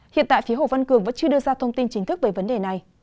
hiện tại phía hồ văn cường vẫn chưa đưa ra thông tin chính thức về vấn đề này